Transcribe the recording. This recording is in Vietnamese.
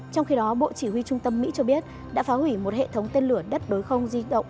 trong khi đó bộ chỉ huy trung tâm mỹ cho biết đã phá hủy một hệ thống tên lửa đất đối không di động